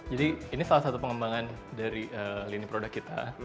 jadi ini salah satu pengembangan dari lini produk kita